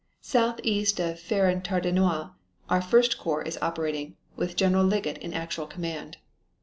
Southeast of Fere en Tardenois our 1st Corps is operating, with General Liggett in actual command."